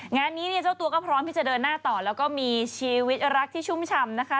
งานนี้เนี่ยเจ้าตัวก็พร้อมที่จะเดินหน้าต่อแล้วก็มีชีวิตรักที่ชุ่มชำนะคะ